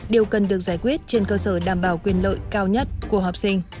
điều cần được giải quyết trên cơ sở đảm bảo quyền lợi cao nhất của học sinh